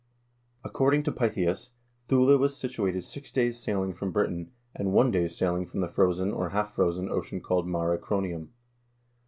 2 According to Pytheas, Thule was situated six days' sailing from Britain, and one day's sailing from the frozen, or half frozen, ocean called mare cronium.